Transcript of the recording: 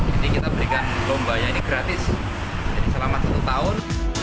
jadi kita berikan lomba yang ini gratis jadi selama satu tahun